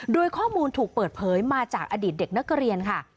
โดยข้อมูลถูกเปิดเผยมาจากอดีตเด็กนักเรียนค่ะ